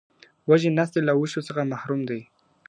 وږی نس دي له وښو څخه محروم دی ..